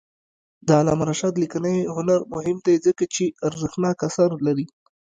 د علامه رشاد لیکنی هنر مهم دی ځکه چې ارزښتناک آثار لري.